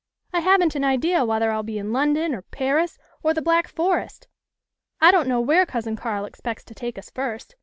"I haven't an idea whether I'll be in London or Paris or the Black Forest. I don't know where Cousin Carl expects to take us first.